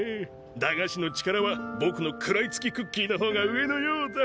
駄菓子の力はぼくの食らいつきクッキーの方が上のようだ。